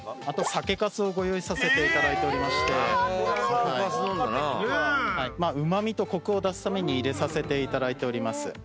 あと酒かすをご用意させていただいておりましてうま味とコクを出すために入れさせていただいております。